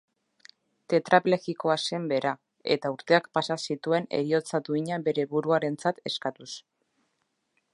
Tetraplegikoa zen bera, eta urteak pasa zituen heriotza duina bere buruarentzat eskatuz.